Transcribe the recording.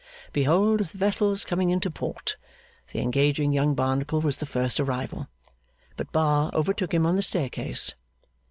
Behold the vessels coming into port! The engaging young Barnacle was the first arrival; but Bar overtook him on the staircase.